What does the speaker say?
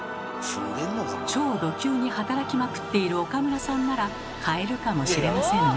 超ド級に働きまくっている岡村さんなら買えるかもしれませんね。